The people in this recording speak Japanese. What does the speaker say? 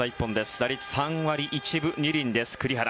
打率３割１分２厘です、栗原。